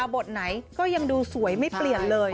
บทไหนก็ยังดูสวยไม่เปลี่ยนเลย